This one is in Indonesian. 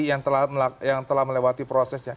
yang telah melewati prosesnya